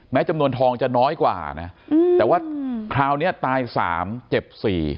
จำนวนทองจะน้อยกว่านะแต่ว่าคราวนี้ตาย๓เจ็บ๔